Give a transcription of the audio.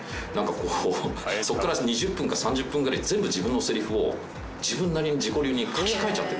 こうそこから２０分か３０分ぐらい全部自分のセリフを自分なりに自己流に書き換えちゃってるんですよね。